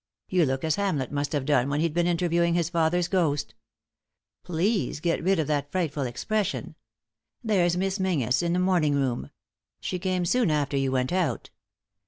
You look as Hamlet must have done when he'd been interviewing his lather's ghost Please get rid of that frightful expression 1 There's Miss Menzies in the morning room; she came soon after you went out.